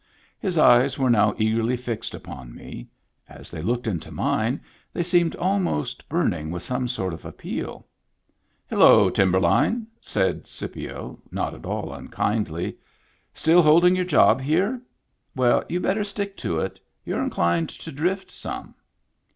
His eyes were now eagerly fixed upon me; as they looked into mine they seemed almost burning with some sort of appeal. " Hello, Timberline !" said Scipio, not at all unkindly. " Still holding your job here ? Well, you better stick to it. You're inclined to drift some."